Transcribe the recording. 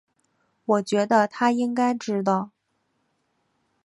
我觉得他应该知道